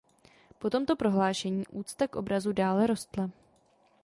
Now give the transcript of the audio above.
Po tomto prohlášení úcta k obrazu dále rostla.